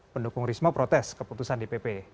pendukung risma protes keputusan dpp